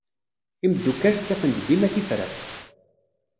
Imeddukal ttafen-d dima tifrat.